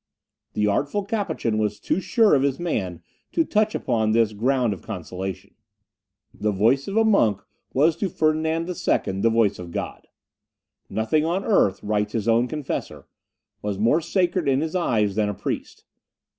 The artful Capuchin was too sure of his man to touch upon this ground of consolation. The voice of a monk was to Ferdinand II. the voice of God. "Nothing on earth," writes his own confessor, "was more sacred in his eyes than a priest.